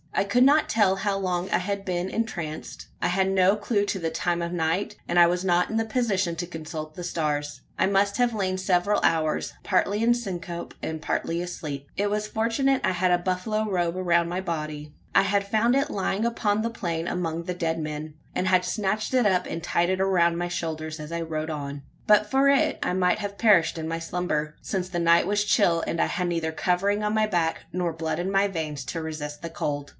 I could not tell how long I had been entranced. I had no clue to the time of night, and I was not in a position to consult the stars. I must have lain several hours, partly in syncope, and partly asleep. It was fortunate I had a buffalo robe around my body. I had found it lying upon the plain among the dead men; and had snatched it up, and tied it around my shoulders as I rode on. But for it, I might have perished in my slumber: since the night was chill, and I had neither covering on my back, nor blood in my veins, to resist the cold.